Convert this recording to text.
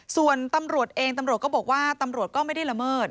ส่วนตำรวจเองตำรวจก็บอกว่าตำรวจก็ไม่ได้ละเมิด